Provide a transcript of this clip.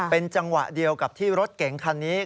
เป็นจังหวะเดียวกับที่รถเก๋งคันนี้